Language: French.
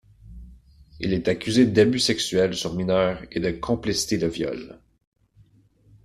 Il est accusé d'abus sexuels sur mineurs et de complicité de viol.